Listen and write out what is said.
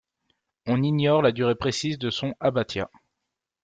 On ignore la durée précise de son abbatiat.